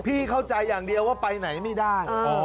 เข้าใจอย่างเดียวว่าไปไหนไม่ได้